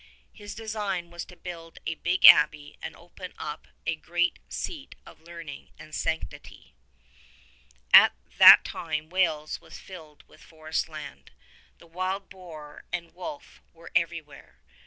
His design was to build a big abbey and open up a great seat of learning and of sanctity. At that time Wales was filled with forest land: the wild boar and the wolf were everywhere.